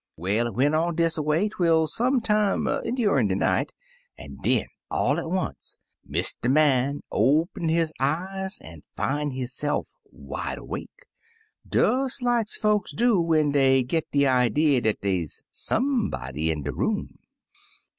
"Well, it went on dis away, twel some time endurin* de night, an* den, all at once, Mr. Man opened his eyes an* fin* hisse'f wide awake, des like folks do when dey git de idee dat dey*s somebody in de room.